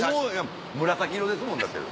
紫色ですもんだって。